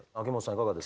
いかがですか？